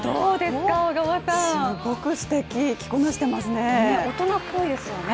すごくすてき、着こなしてますね。